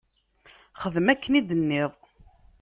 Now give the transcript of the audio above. Xdem akken i d-tenniḍ.